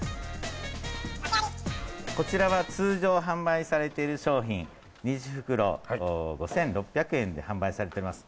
こちらは通常販売されている商品、２０袋５６００円で販売されてます。